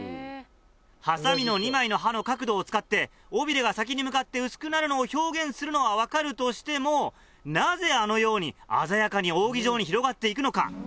ハサミの２枚の刃の角度を使って尾ビレが先に向かって薄くなるのを表現するのは分かるとしてもなぜあのように鮮やかに扇状に広がって行くのか。